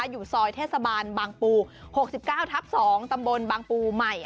อยู่ซอยเทศบาลบางปู๖๙ทับ๒ตำบลบางปูใหม่